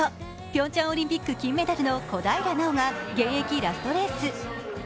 ピョンチャンオリンピック金メダルの小平奈緒が現役ラストレース。